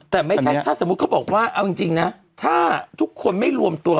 แต่ไม่ใช่ถ้าสมมุติเขาบอกว่าเอาจริงนะถ้าทุกคนไม่รวมตัว